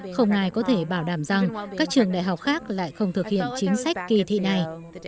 không ai có thể bảo đảm rằng các trường đại học khác lại không thực hiện chính sách kỳ thi này